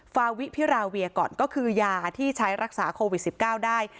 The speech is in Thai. ฟาวิพิราเวียก่อนก็คือยาที่ใช้รักษาโควิด๑๙ได้